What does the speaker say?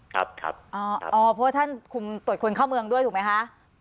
ครับครับเพราะท่านตรวจคุณเข้าเมืองด้วยถูกไหมฮะ